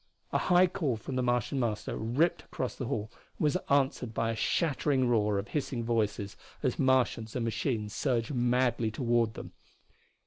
A high call from the Martian Master ripped across the hall and was answered by a shattering roar of hissing voices as Martians and machines surged madly toward them.